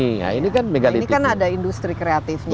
nah ini kan megalitik ini kan ada industri kreatifnya